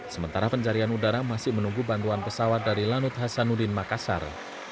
sementara pencarian udara masih menunggu bantuan pesawat dari lanut hasanuddin makassar